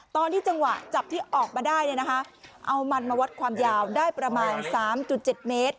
จังหวะจับที่ออกมาได้เอามันมาวัดความยาวได้ประมาณ๓๗เมตร